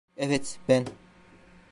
Evet, ben...